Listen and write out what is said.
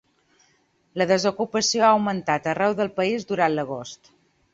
La desocupació ha augmentat arreu del país durant l’agost.